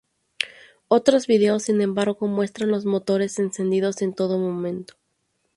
Otros videos, sin embargo, muestran los motores encendidos en todo momento.